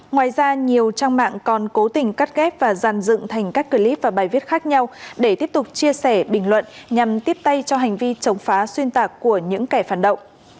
ngoài ra nhiều trang mạng còn cố tình cắt ghép và dàn dựng thành các clip và bài viết khác nhau để tiếp tục chia sẻ bình luận nhằm tiếp tay cho hành vi chống phá xuyên tạc của những kẻ phản động